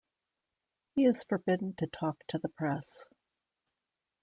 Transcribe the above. He is forbidden to talk to the press.